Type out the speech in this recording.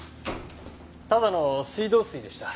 ただの水道水でした。